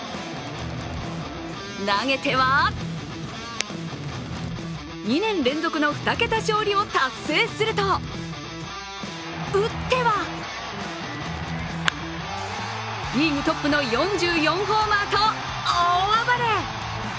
投げては２年連続の２桁勝利を達成すると打っては、リーグトップの４４ホーマーと大暴れ。